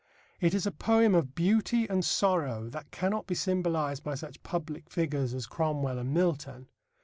It is a poem of beauty and sorrow that cannot be symbolized by such public figures as Cromwell and Milton.